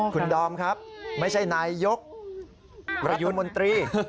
คุณดอมครับไม่ใช่นายยกระยูมนตรี